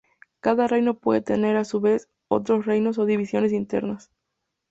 Cada reino puede tener, a su vez, otros reinos o divisiones internas.